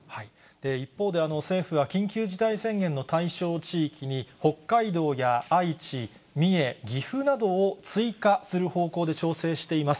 一方で、政府は緊急事態宣言の対象地域に、北海道や愛知、三重、岐阜などを追加する方向で調整しています。